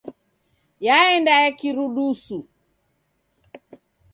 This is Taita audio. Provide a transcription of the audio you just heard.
Yaenda ya kirudusu.